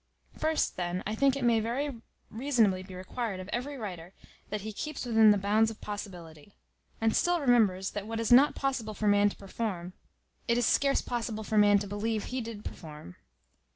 First, then, I think it may very reasonably be required of every writer, that he keeps within the bounds of possibility; and still remembers that what it is not possible for man to perform, it is scarce possible for man to believe he did perform.